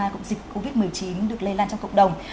cũng dịch covid một mươi chín được lây lan trong cộng đồng